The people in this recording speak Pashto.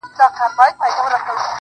• گراني بس څو ورځي لا پاته دي.